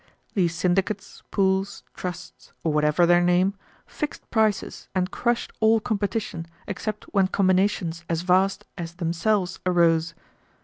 These syndicates, pools, trusts, or whatever their name, fixed prices and crushed all competition except when combinations as vast as themselves arose.